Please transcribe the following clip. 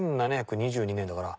１７２２年だから。